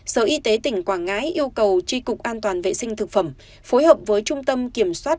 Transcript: sở y tế tỉnh quảng ngãi yêu cầu tri cục an toàn vệ sinh thực phẩm phối hợp với trung tâm kiểm soát